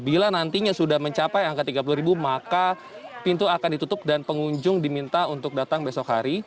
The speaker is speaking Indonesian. bila nantinya sudah mencapai angka tiga puluh ribu maka pintu akan ditutup dan pengunjung diminta untuk datang besok hari